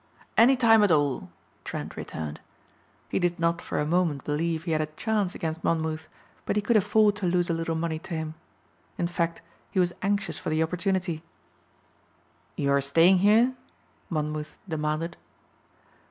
"Any time at all," Trent returned. He did not for a moment believe he had a chance against Monmouth but he could afford to lose a little money to him. In fact he was anxious for the opportunity. "You are staying here?" Monmouth demanded.